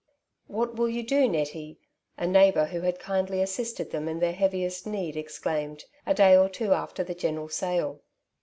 "What will you do, Nettie?'' a neighbour who had kindly assisted them in their heaviest need ex claimed, a day or two after the general sale.